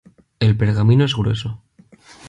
El pergamino es grueso.